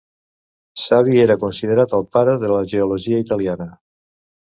Savi era considerat el pare de la geologia italiana.